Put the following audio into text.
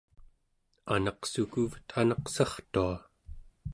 anaqsukuvet anaqsartua!